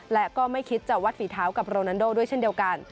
และก็ไม่คิดจะวัดฝีเท้ากับโรนันโดด้วยเช่นเดียวกัน